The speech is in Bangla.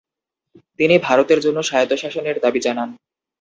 তিনি ভারতের জন্য স্বায়ত্তশাসনের দাবি জানান।